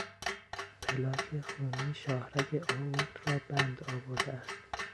پلاک خونی شاهرگ آئورت را بند آورده است.